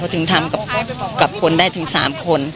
ถึงทำกับคนได้ถึง๓คน